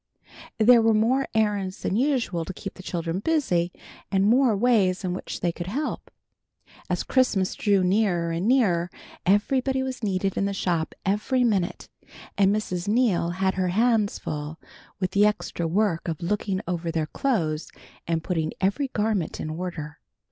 There were more errands than usual to keep the children busy, and more ways in which they could help. As Christmas drew nearer and nearer somebody was needed in the shop every minute, and Mrs. Neal had her hands full with the extra work of looking over their clothes and putting every garment in order.